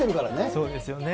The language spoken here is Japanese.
そうですよね。